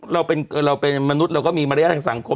เราเป็นมนุษย์เราก็มีมารยาททางสังคม